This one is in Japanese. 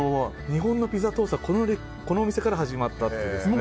日本のピザトーストはこのお店から始まったという。